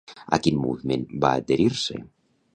A quin moviment va adherir-se?